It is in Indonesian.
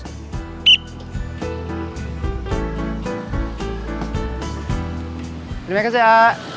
terima kasih ya